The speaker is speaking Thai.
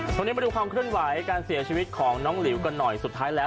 มาดูความเคลื่อนไหวการเสียชีวิตของน้องหลิวกันหน่อยสุดท้ายแล้ว